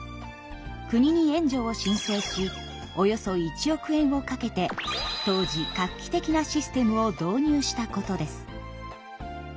国に援助を申請しおよそ１億円をかけて当時画期的なシステムを導入したことです。